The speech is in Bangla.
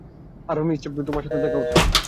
আসো মিস জেস তোমার সাথে দেখা করতে চাই।